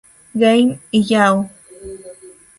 Game y Yahoo!